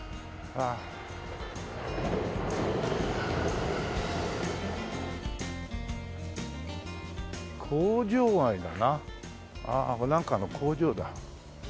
ああこれなんかの工場だ。